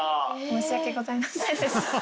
申し訳ございませんでした。